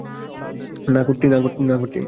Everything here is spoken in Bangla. না, কুট্টি।